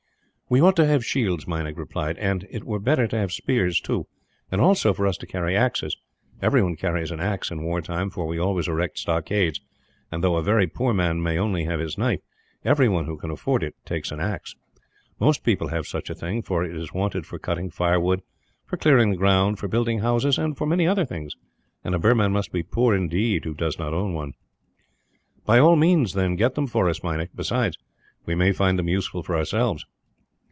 "We ought to have shields," Meinik replied, "and it were better to have spears too, and also for us to carry axes everyone carries an axe in war time, for we always erect stockades and, though a very poor man may only have his knife, everyone who can afford it takes an axe. Most people have such a thing, for it is wanted for cutting firewood, for clearing the ground, for building houses, and for many other things; and a Burman must be poor, indeed, who does not own one." "By all means, then, get them for us, Meinik; besides, we may find them useful for ourselves."